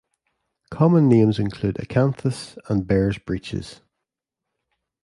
Common names include Acanthus and Bear's breeches.